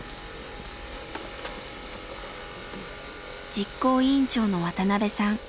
実行委員長の渡邊さん。